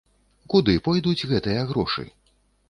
Куды пойдуць гэтыя грошы?